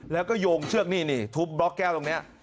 แล้วก็โยงเชือกนี่นี่ทุบบล็อกแก้วตรงนี้